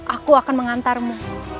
aku akan mengantarmu